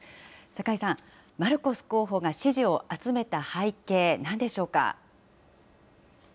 酒井さん、マルコス候補が支持を集めた背景、なんでしょうか。